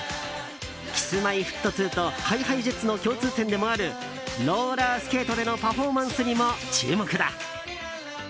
Ｋｉｓ‐Ｍｙ‐Ｆｔ２とＨｉＨｉＪｅｔｓの共通点でもあるローラースケートでのパフォーマンスにも注目だ。